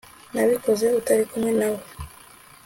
nabikoze utari kumwe nawe